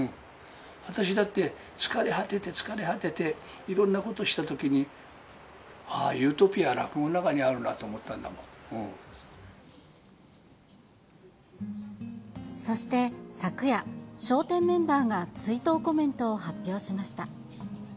私だって、疲れ果てて、疲れ果てて、いろんなこと知ったときに、あー、ユートピア、落語の中にあそして昨夜、笑点メンバーが追悼コメントを発表しました。